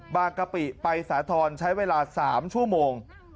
กะปิไปสาธรณ์ใช้เวลา๓ชั่วโมง